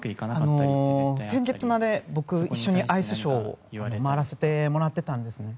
先月まで僕一緒にアイスショーを回らせてもらっていたんですね。